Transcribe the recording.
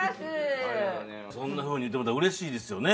そんなふうに言うてもろうたらうれしいですよね。